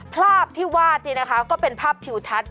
ภาพที่วาดนี่นะคะก็เป็นภาพทิวทัศน